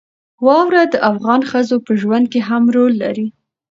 واوره د افغان ښځو په ژوند کې هم رول لري.